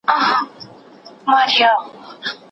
چی کلونه مو کول پکښي قولونه